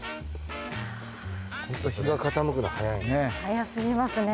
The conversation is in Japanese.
ホント日が傾くの早いね。